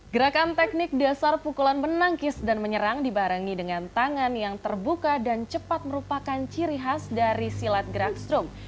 gerakan teknik dasar pukulan menangkis dan menyerang dibarengi dengan tangan yang terbuka dan cepat merupakan ciri khas dari silat gerak strong